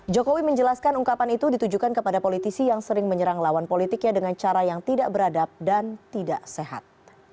jokowi menjelaskan ungkapan itu ditujukan kepada politisi yang sering menyerang lawan politiknya dengan cara yang tidak beradab dan tidak sehat